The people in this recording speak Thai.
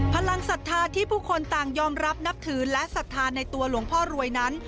พลังศรัทธาที่ผู้คนต่างยอมรับนับถือและศรัทธาในตัวหลวงพ่อรวยนั้น